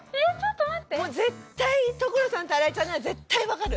絶対に所さんと新井ちゃんなら絶対分かる。